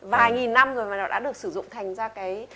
vài nghìn năm rồi mà nó đã được sử dụng thành ra cái